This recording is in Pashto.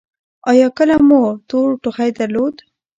ایا کله مو تور ټوخی درلود؟